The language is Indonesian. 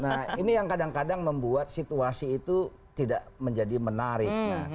nah ini yang kadang kadang membuat situasi itu tidak menjadi menarik